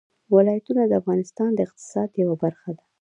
ولایتونه د افغانستان د اقتصاد یوه برخه ده.